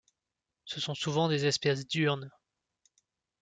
Ce sont souvent des espèces diurnes.